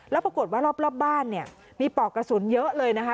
แล้วปรากฏว่ารอบบ้านเนี่ยมีปอกกระสุนเยอะเลยนะคะ